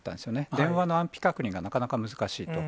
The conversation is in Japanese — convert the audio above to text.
電話の安否確認がなかなか難しいと。